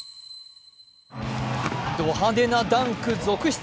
ど派手なダンク続出。